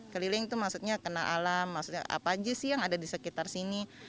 keliling itu maksudnya kena alam maksudnya apa aja sih yang ada di sekitar sini